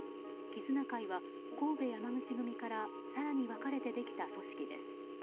絆會は神戸山口組から更に分かれてできた組織です。